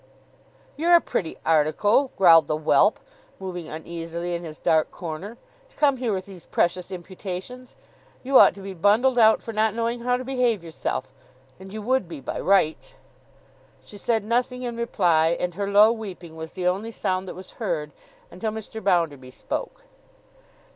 'You're a pretty article,' growled the whelp, moving uneasily in his dark corner, 'to come here with these precious imputations! You ought to be bundled out for not knowing how to behave yourself, and you would be by rights.' She said nothing in reply; and her low weeping was the only sound that was heard, until Mr. Bounderby spoke.